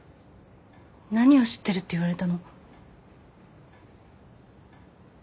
何を知ってるって言われたの？